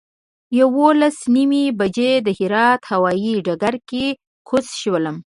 یولس نیمې بجې د هرات هوایي ډګر کې کوز شولو.